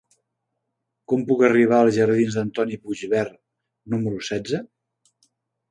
Com puc arribar als jardins d'Antoni Puigvert número setze?